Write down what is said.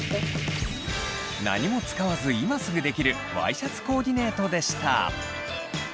何も使わず今すぐできるワイシャツコーディネートでした。